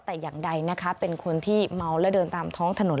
แต่อย่างใดนะคะเป็นคนที่เมาและเดินตามท้องถนน